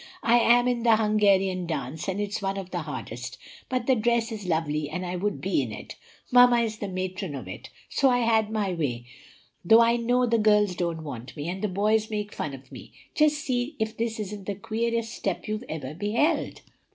I am in the Hungarian dance, and it's one of the hardest; but the dress is lovely, and I would be in it. Mamma is the matron of it; so I had my way, though I know the girls don't want me, and the boys make fun of me. Just see if this isn't the queerest step you ever beheld!"